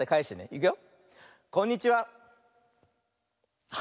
いくよ。